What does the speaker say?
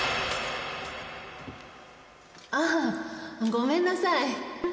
ああごめんなさい。